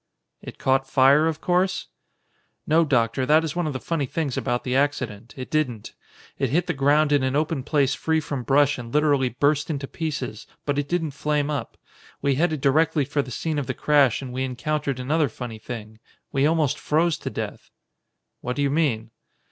"It caught fire, of course?" "No, Doctor, that is one of the funny things about the accident. It didn't. It hit the ground in an open place free from brush and literally burst into pieces, but it didn't flame up. We headed directly for the scene of the crash and we encountered another funny thing. We almost froze to death." "What do you mean?"